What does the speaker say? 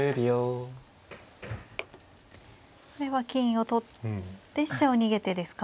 これは金を取って飛車を逃げてですか。